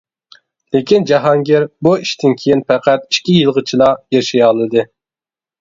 لېكىن، جاھانگىر بۇ ئىشتىن كېيىن پەقەت ئىككى يىلغىچىلا ياشىيالىدى.